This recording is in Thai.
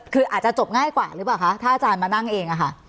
คืออาจจะจบง่ายกว่าหรือเปล่าคะถ้าอาจารย์มานั่งเองอะค่ะ